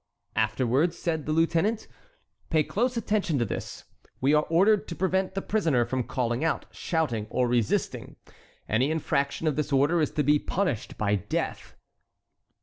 "Afterwards?" said the lieutenant. "Pay close attention to this: we are ordered to prevent the prisoner from calling out, shouting, or resisting. Any infraction of this order is to be punished by death."